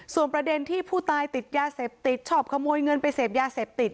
ส่วนประเด็นที่ผู้ตายติดยาเสพติดชอบขโมยเงินไปเสพยาเสพติด